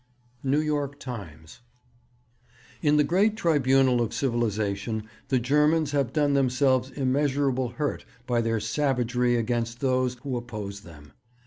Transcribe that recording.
New York Times. 'In the great tribunal of civilization the Germans have done themselves immeasurable hurt by their savagery against those who opposed them.